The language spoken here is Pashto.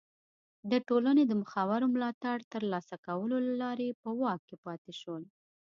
د ټولنې د مخورو ملاتړ ترلاسه کولو له لارې په واک کې پاتې شول.